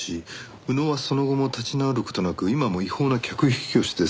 宇野はその後も立ち直る事なく今も違法な客引きをして生計を立てている。